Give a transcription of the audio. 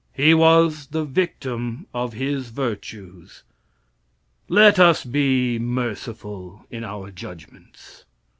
He was the victim of his virtues. Let us be merciful in our judgments.